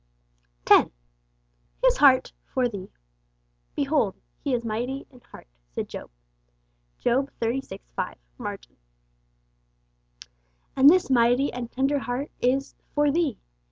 10. His Heart 'for thee.' 'Behold ... He is mighty ... in heart,' said Job (Job xxxvi. 5, margin). And this mighty and tender heart is 'for thee!'